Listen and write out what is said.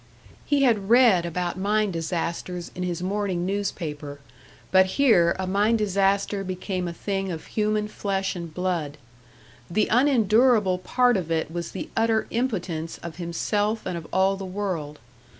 He had read about mine disasters in his morning newspaper; but here a mine disaster became a thing of human flesh and blood. The unendurable part of it was the utter impotence of himself and of all the world.